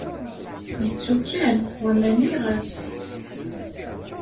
Yettu kan, wamma nniɣ-as.